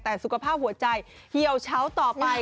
แต่สุขภาพหัวใจเหี่ยวเช้าต่อไป